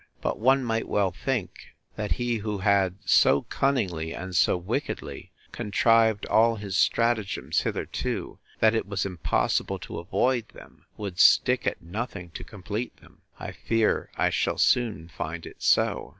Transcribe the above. —But one might well think, that he who had so cunningly, and so wickedly, contrived all his stratagems hitherto, that it was impossible to avoid them, would stick at nothing to complete them. I fear I shall soon find it so!